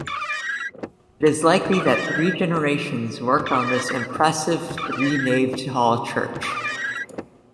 It is likely that three generations worked on this impressive three-naved hall church.